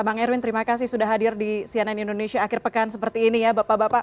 bang erwin terima kasih sudah hadir di cnn indonesia akhir pekan seperti ini ya bapak bapak